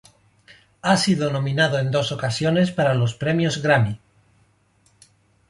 Ha sido nominado en dos ocasiones para los Premios Grammy.